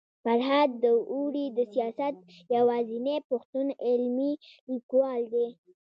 فرهاد داوري د سياست يوازنی پښتون علمي ليکوال دی